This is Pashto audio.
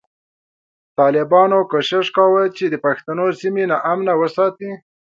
ټالبانو کوشش کوو چی د پښتنو سیمی نا امنه وساتی